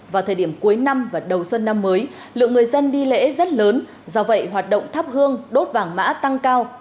vào thời điểm cuối năm và đầu xuân năm mới lượng người dân đi lễ rất lớn do vậy hoạt động thắp hương đốt vàng mã tăng cao